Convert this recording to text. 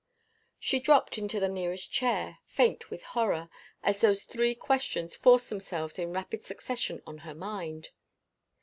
She dropped into the nearest chair, faint with horror, as those three questions forced themselves in rapid succession on her mind.